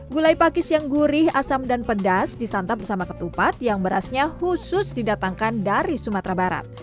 gulai pakis yang gurih asam dan pedas disantap bersama ketupat yang berasnya khusus didatangkan dari sumatera barat